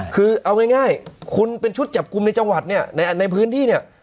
คือเอาง่ายคุณเป็นชุดจับกลุ่มในจังหวัดในพื้นที่